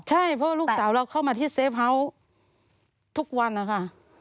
ใช่เพราะลูกสาวเราเข้ามาที่เซฟเฮาส์ทุกวันนะคะ